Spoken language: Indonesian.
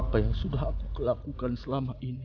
apa yang sudah aku kelakukan selama ini